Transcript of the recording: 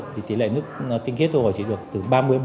thì tỷ lệ nước tinh khiết thôi chỉ được từ ba mươi bốn mươi